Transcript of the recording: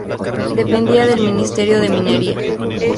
Dependía del Ministerio de Minería.